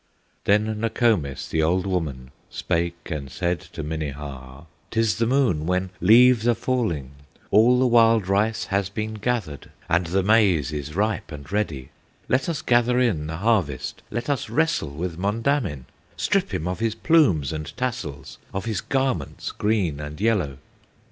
Then Nokomis, the old woman, Spake, and said to Minnehaha: "'T is the Moon when, leaves are falling; All the wild rice has been gathered, And the maize is ripe and ready; Let us gather in the harvest, Let us wrestle with Mondamin, Strip him of his plumes and tassels, Of his garments green and yellow!"